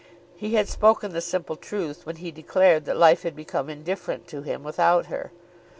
He had spoken the simple truth when he declared that life had become indifferent to him without her.